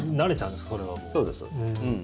そうです、そうです。